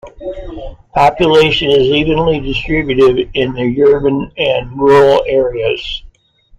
Population is evenly distributed in the urban and rural areas.